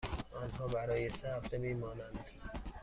آنها برای سه هفته می مانند.